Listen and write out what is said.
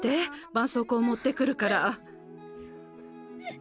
ばんそうこうもってくるから。